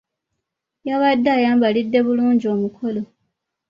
Yabadde ayambalidde bulungi omukolo.